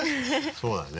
そうだね。